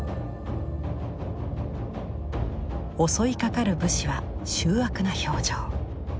襲いかかる武士は醜悪な表情。